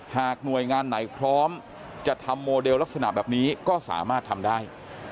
หากหน่วยงานไหนพร้อมจะทำโมเดลลักษณะแบบนี้ก็สามารถทำได้